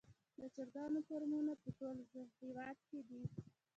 د چرګانو فارمونه په ټول هیواد کې دي